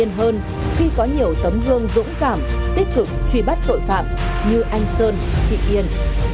để bình yên hơn khi có nhiều tấm gương dũng cảm tích cực truy bắt tội phạm như anh sơn chị yên